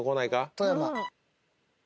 富山。